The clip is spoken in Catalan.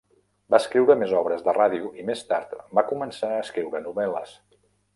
Va escriure més obres de ràdio i, més tard, va començar a escriure novel·les.